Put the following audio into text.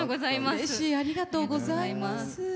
ありがとうございます。